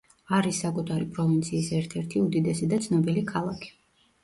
არის საკუთარი პროვინციის ერთ-ერთი უდიდესი და ცნობილი ქალაქი.